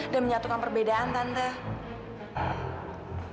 dan menyatukan perbedaan tante